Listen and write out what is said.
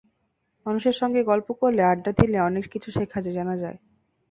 মানুষের সঙ্গে গল্প করলে, আড্ডা দিলে অনেক কিছু শেখা যায়, জানা যায়।